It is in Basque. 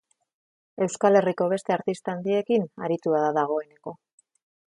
Euskal Herriko beste artista handiekin aritua da dagoeneko.